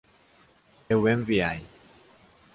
Eu enviei